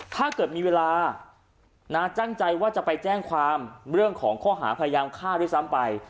ถ้าเกิดมีเวลาน่าจั่งใจว่าจะไปแจ้งความเรื่องของค่อหาพยายามฆ่าสัมไป